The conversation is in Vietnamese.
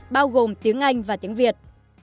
bao gồm tiếng anh và tiếng việt